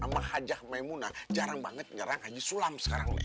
sama hajah maimunah jarang banget nyerang haji sulam sekarang nih